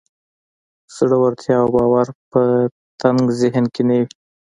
زړورتيا او باور په تنګ ذهن کې نه وي.